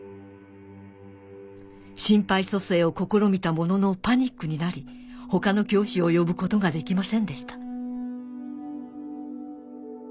「心肺蘇生を試みたもののパニックになり他の教師を呼ぶことができませんでした」